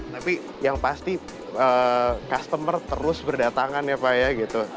tapi yang pasti customer terus berdatangan ya pak ya gitu